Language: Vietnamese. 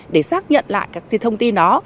để xác nhận lại các thông tin đó